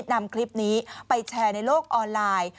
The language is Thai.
นำคลิปนี้ไปแชร์ในโลกออนไลน์